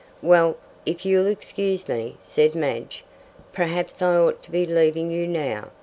"Well, if you'll excuse me," said Madge, "perhaps I ought to be leaving you now.